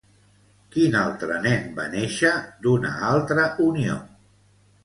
Quin altre nen va néixer d'una altra unió?